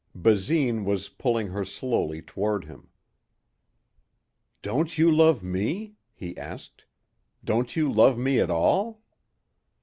Basine was pulling her slowly toward him. "Don't you love me?" he asked. "Don't you love me at all?"